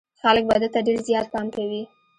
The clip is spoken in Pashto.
خلک به ده ته ډېر زيات پام کوي.